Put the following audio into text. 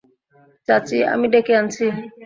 চাচি, আমি ডেকে আনছি।